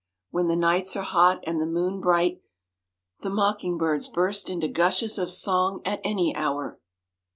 When the nights are hot, and the moon bright, the mocking birds burst into gushes of song at any hour.